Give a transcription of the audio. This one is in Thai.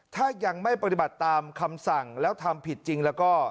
ถ้ายังไม่ปฏิบัติตามคำสั่งแล้วทำผิดจริงแล้วก็